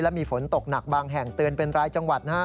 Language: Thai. มีฝนตกหนักบางแห่งเตือนเป็นรายจังหวัดนะฮะ